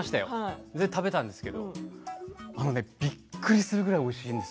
それで食べたんですけれどびっくりするぐらいおいしいんです。